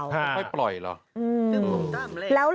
ไม่ไปปล่อยเหรอ